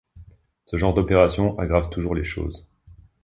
Ce genre d’opérations aggrave toujours les choses.